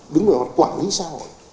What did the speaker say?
đứng vào quản lý xã hội